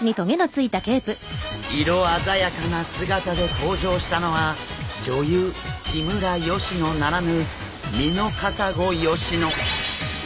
色鮮やかな姿で登場したのは女優木村佳乃ならぬミノカサゴ佳乃！